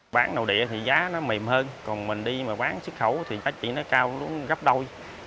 bán nầu địa thì giá nó mềm hơn còn mình đi mà bán xuất khẩu thì giá chỉ nó cao gấp đôi